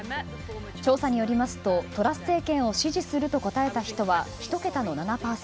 調査によりますとトラス政権を支持すると答えた人は１桁の７％。